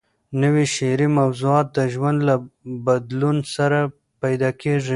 نوي شعري موضوعات د ژوند له بدلون سره پیدا کېږي.